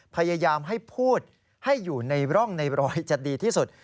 พยายามให้พูดให้อยู่ในร่องในรอยจะดีที่สุด